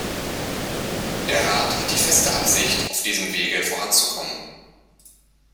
Der Rat hat die feste Absicht, auf diesem Wege voranzukommen.